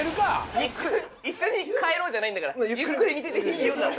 「一緒に帰ろう」じゃないんだから「ゆっくり見てていいよ」。